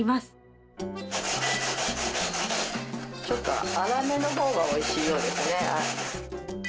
ちょっと粗めの方がおいしいようですね。